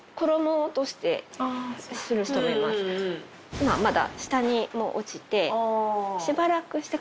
今まだ。